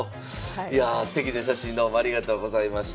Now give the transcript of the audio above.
いやすてきな写真どうもありがとうございました。